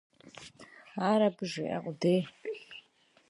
Ей только об этом скажи!